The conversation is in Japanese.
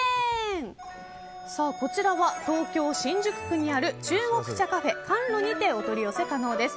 こちらは東京・新宿区にある中国茶カフェ甘露にてお取り寄せ可能です。